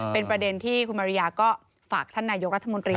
เป็นประเด็นที่คุณมาริยาก็ฝากท่านนายกรัฐมนตรี